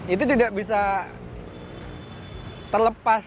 itu tidak bisa terlepas